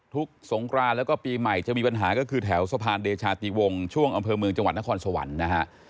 สงกรานแล้วก็ปีใหม่จะมีปัญหาก็คือแถวสะพานเดชาติวงช่วงอำเภอเมืองจังหวัดนครสวรรค์นะฮะ